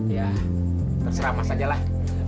ya terserah mas ajalah